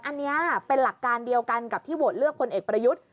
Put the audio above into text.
อันนี้เป็นหลักการเดียวกันกับที่โหวตเลือกพลเอกประยุทธ์